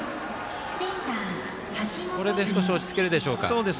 これで少し落ち着けるでしょうか。